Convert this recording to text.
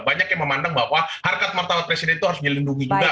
banyak yang memandang bahwa harkat martabat presiden itu harus dilindungi juga